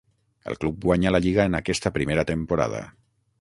El club guanyà la lliga en aquesta primera temporada.